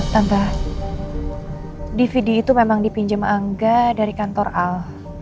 tambah dvd itu memang dipinjam angga dari kantor al